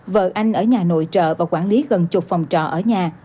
vợ anh ở nhà nội trợ và quản lý gần chục phòng trọ ở nhà